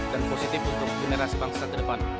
dan positif untuk generasi bangsa terdepan